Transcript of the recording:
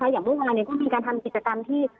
อย่างว่าวันนี้ก็มีการทำกิจกรรมที่